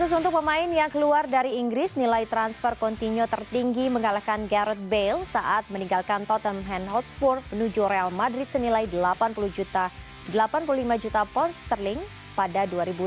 terus untuk pemain yang keluar dari inggris nilai transfer continuo tertinggi mengalahkan gerard bale saat meninggalkan tottenham hotspur menuju real madrid senilai delapan puluh juta delapan puluh lima juta pound sterling pada dua ribu tiga belas